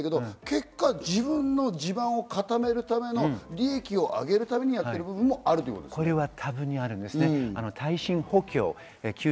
結果、自分の地盤を固めるための利益をあげるためにやっている部分もあるってことですね。